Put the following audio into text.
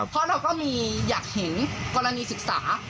เพราะเราก็มีอยากเห็นกรณีศึกษา